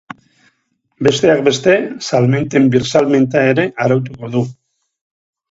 Besteak beste, salmenten birsalmenta ere arautuko du.